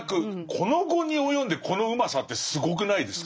この期に及んでこのうまさってすごくないですか。